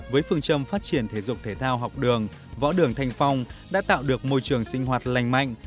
với phương châm phát triển thể dục thể thao học đường võ đường thanh phong đã tạo được môi trường sinh hoạt lành mạnh